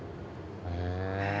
へえ。